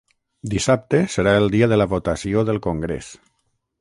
Dissabte serà el dia de la votació del congrés.